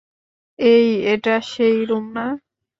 এই, এটা সেই রুম না?